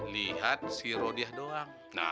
lihat si rodiah doang